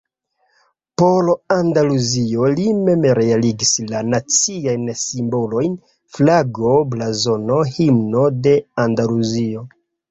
Por Andaluzio li mem realigis la naciajn simbolojn: flago, blazono, himno de Andaluzio.